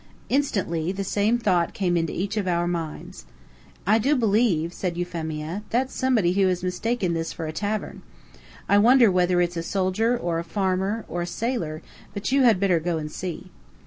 Instantly the same thought came into each of our minds. "I do believe," said Euphemia, "that's somebody who has mistaken this for a tavern. I wonder whether it's a soldier or a farmer or a sailor; but you had better go and see."